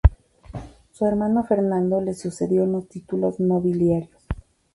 Su hermano Fernando le sucedió en sus títulos nobiliarios.